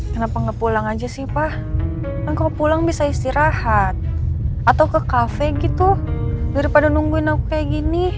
kenapa nggak pulang aja sih pak engkau pulang bisa istirahat atau ke kafe gitu daripada nungguin aku kayak gini